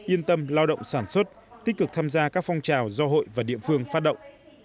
yên tâm lao động sản xuất tích cực tham gia các phong trào do hội và địa phương phát động